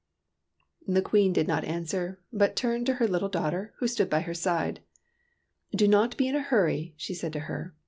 The Queen did not answer but turned to her little daughter, who stood by her side. '' Do not be in a hurry," she said to her.